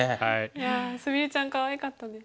いや菫ちゃんかわいかったです。